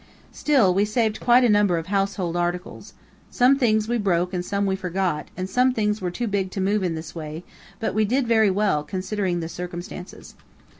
Still, we saved quite a number of household articles. Some things we broke and some we forgot, and some things were too big to move in this way; but we did very well, considering the circumstances.